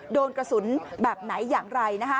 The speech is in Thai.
โดนกระสุนแบบไหนอย่างไร